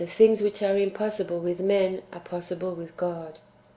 [Book m things which are impossible with men are possible with God."